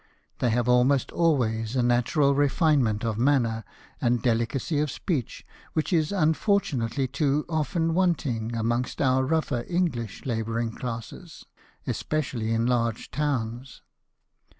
They have almost always a natural refinement of manner and delicacy of speech which is un fortunately too often wanting amongst our rougher English labouring classes, especially in ]arge towns.